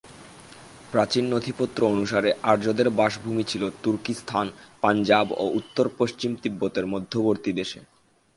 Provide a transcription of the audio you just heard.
প্রাচীন নথিপত্র অনুসারে আর্যদের বাসভূমি ছিল তুর্কীস্থান, পাঞ্জাব ও উত্তর-পশ্চিম তিব্বতের মধ্যবর্তী দেশে।